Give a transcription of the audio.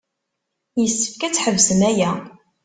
Yessefk ad teḥbes aya.